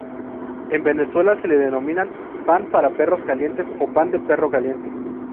En Venezuela se le denomina pan para perros calientes o pan de perro caliente.